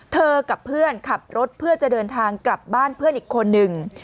กับเพื่อนขับรถเพื่อจะเดินทางกลับบ้านเพื่อนอีกคนนึง